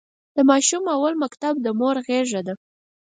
د ماشوم اول مکتب د مور غېږ ده.